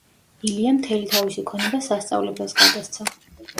ილიამ მთელი თავისი ქონება სასწავლებელს გადასცა.